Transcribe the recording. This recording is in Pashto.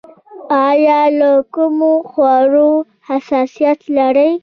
ایا له کومو خوړو حساسیت لرئ؟